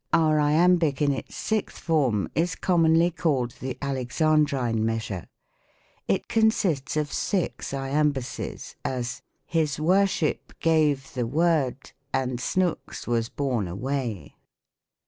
Our Iambic in its sixth form, is commonly called the Alexandrine measure. It consists of six Iambuses : as, "His worship gave the word, and Snooks was borne away."